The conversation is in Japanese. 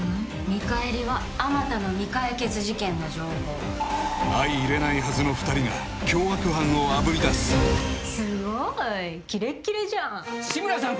見返りはあまたの未解決事件の情報相いれないはずの２人が凶悪犯をあぶり出すすごいキレッキレじゃん志村さん